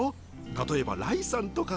たとえばライさんとか。